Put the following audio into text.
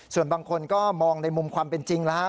ส่วนบางคนก็มองในมุมความเป็นจริงแล้ว